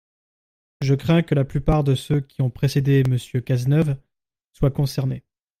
Je crains que la plupart de ceux qui ont précédé Monsieur Cazeneuve soient concernés.